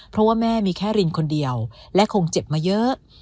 เพราะว่าแม่มีแค่รินคนเดียวและคงเจ็บมาเยอะ